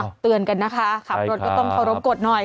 เตือนกันนะคะขับรถก็ต้องเคารพกฎหน่อย